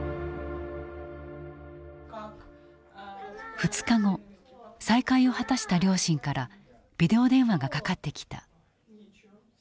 ２日後再会を果たした両親からビデオ電話がかかってきた。